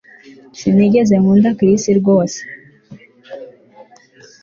Sinigeze nkunda Chris rwose